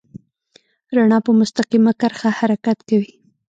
رڼا په مستقیمه کرښه حرکت کوي.